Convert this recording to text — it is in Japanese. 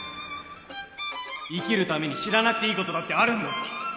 生きるために知らなくていいことだってあるんだぞ！